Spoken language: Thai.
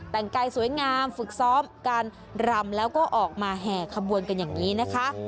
แต่งกายสวยงามฝึกซ้อมการรำแล้วก็ออกมาแห่ขบวนกันอย่างนี้นะคะ